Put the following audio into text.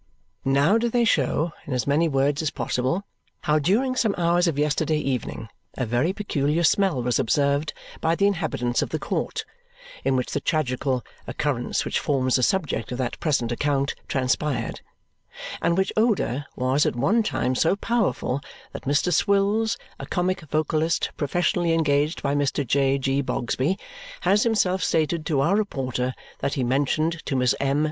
Now do they show (in as many words as possible) how during some hours of yesterday evening a very peculiar smell was observed by the inhabitants of the court, in which the tragical occurrence which forms the subject of that present account transpired; and which odour was at one time so powerful that Mr. Swills, a comic vocalist professionally engaged by Mr. J. G. Bogsby, has himself stated to our reporter that he mentioned to Miss M.